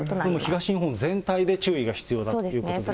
東日本全体で注意が必要だということですね。